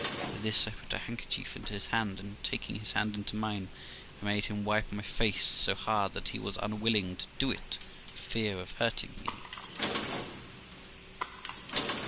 With this I put a handkerchief into his hand, and taking his hand into mine, I made him wipe my face so hard that he was unwilling to do it, for fear of hurting me.